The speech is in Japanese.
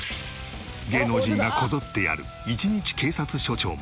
芸能人がこぞってやる１日警察署長も。